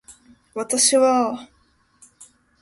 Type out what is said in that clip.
私はあ